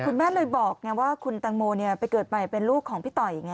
คุณแม่เลยบอกว่าคุณตังโมไปเกิดใหม่เป็นลูกของพี่ต่อยไง